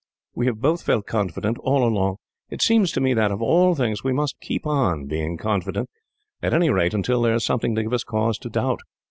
We have both felt confident, all along. It seems to me that, of all things, we must keep on being confident, at any rate until there is something to give us cause to doubt."